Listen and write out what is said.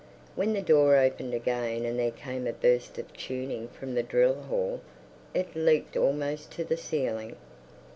When the door opened again and there came a burst of tuning from the drill hall, it leaped almost to the ceiling.